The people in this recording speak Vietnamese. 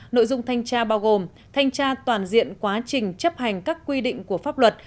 nội dung thanh tra bao gồm thanh tra toàn diện quá trình chấp hành các quy định của pháp luật